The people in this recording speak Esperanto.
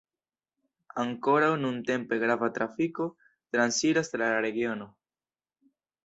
Ankoraŭ nuntempe grava trafiko transiras tra la regiono.